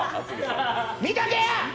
見とけよ！